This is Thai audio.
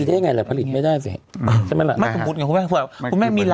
เดี่ยวจะไปมีได้ไงเพราะผลิตไม่ได้สิ